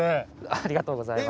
ありがとうございます。